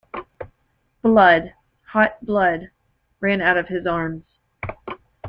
Blood, hot blood, ran out of his arm.